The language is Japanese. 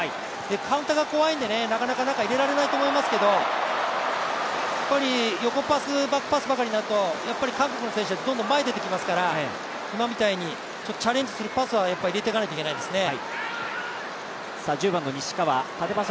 カウンターが怖いのでなかなか中に入れられないと思いますけど横パス、バックパスばかりだと、韓国の選手はどんどん前に出てきますから、今みたいにチャレンジするパスは入れていかなきゃいけないですね。